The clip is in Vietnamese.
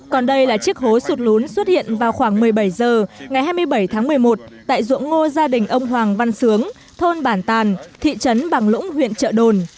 còn đây là chiếc hố sụt lún xuất hiện vào khoảng một mươi bảy h ngày hai mươi bảy tháng một mươi một tại ruộng ngô gia đình ông hoàng văn sướng thôn bản tàn thị trấn bằng lũng huyện trợ đồn